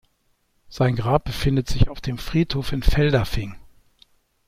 Sein Grab befindet sich auf dem Friedhof in Feldafing.